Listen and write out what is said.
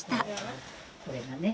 これがね。